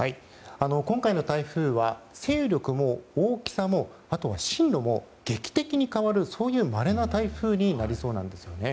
今回の台風は勢力も大きさも進路も劇的に変わるそういうまれな台風になりそうなんです。